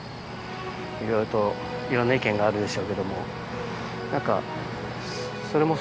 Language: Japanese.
いろいろといろんな意見があるでしょうけれども、なんかそれも含